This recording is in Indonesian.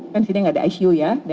kan di sini nggak ada icu ya